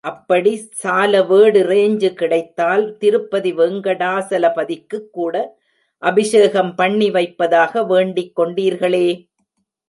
அப்படி சாலவேடு ரேஞ்சு கிடைத்தால் திருப்பதி வேங்கடாசலபதிக்குக் கூட அபிஷேகம் பண்ணி வைப்பதாக வேண்டிக் கொண்டீர்களே?